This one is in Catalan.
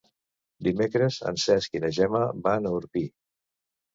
Dimecres en Cesc i na Gemma van a Orpí.